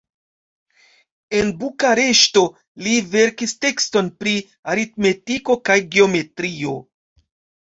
En Bukareŝto li verkis tekston pri aritmetiko kaj geometrio.